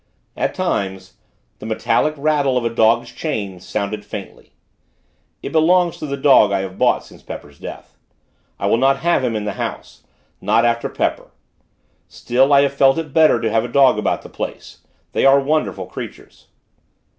At times, the metallic rattle of a dog's chain, sounded faintly. It belongs to the dog I have bought, since Pepper's death. I will not have him in the house not after Pepper. Still, I have felt it better to have a dog about the place. They are wonderful creatures.